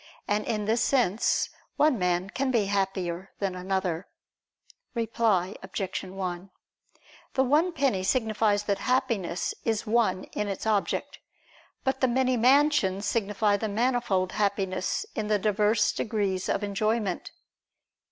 And in this sense one man can be happier than another. Reply Obj. 1: The one penny signifies that Happiness is one in its object. But the many mansions signify the manifold Happiness in the divers degrees of enjoyment.